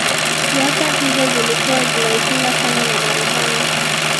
siasa hizo zilikuwa zinaipinga sana na Marekani